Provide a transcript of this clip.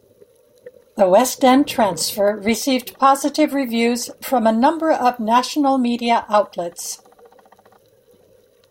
The West End transfer received positive reviews from a number of national media outlets.